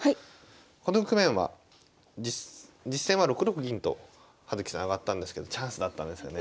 この局面は実戦は６六銀と葉月さん上がったんですけどチャンスだったんですよね。